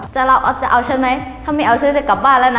จะเอาฉันไหมถ้าไม่เอาซื้อจะกลับบ้านแล้วนะ